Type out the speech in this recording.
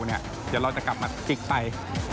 เดี๋ยวเราจะกลับมาพลิกไป